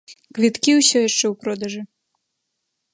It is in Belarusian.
Квіткі ўсё яшчэ ў продажы.